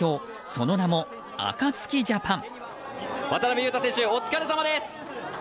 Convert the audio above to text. その名もアカツキジャパン。